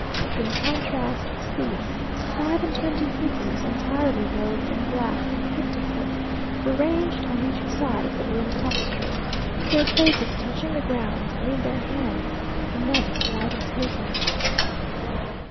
In contrast to these, five and twenty figures, entirely robed in black from head to foot, were ranged on each side of the room prostrate, their faces touching the ground, and in their hands immense lighted tapers.